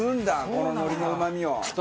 この海苔のうまみを。